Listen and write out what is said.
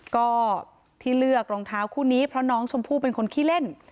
ก็ที่เลือกรองเท้าคู่นี้เพราะน้องชมพู่เป็นคนขี้เล่น